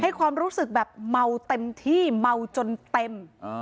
ความรู้สึกแบบเมาเต็มที่เมาจนเต็ม